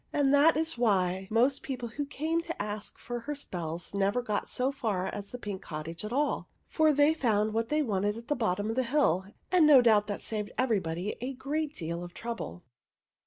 And that is why most of the people who came to ask her for spells never got so far as the pink cottage at all, for they found what they wanted at the bottom of the hill; and no doubt that saved everybody a great deal of trouble.